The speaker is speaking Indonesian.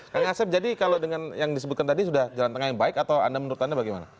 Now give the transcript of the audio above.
kang asep jadi kalau dengan yang disebutkan tadi sudah jalan tengah yang baik atau anda menurut anda bagaimana